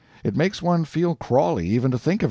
It makes one feel crawly even to think of it.